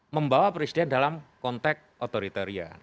membawa presiden dalam konteks otoritarian